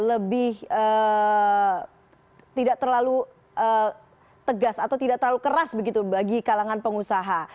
lebih tidak terlalu tegas atau tidak terlalu keras begitu bagi kalangan pengusaha